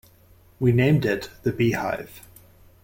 We named it The Beehive.